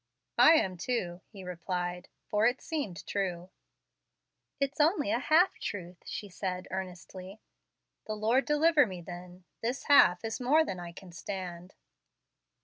"I am, too," he replied, "for it seemed true." "It's only half truth," she said earnestly. "The Lord deliver me, then; this half is more than I can stand."